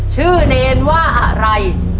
ชื่อเนนว่าอะไร